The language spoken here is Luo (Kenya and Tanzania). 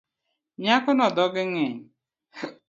Nyakono dhoge ng’eny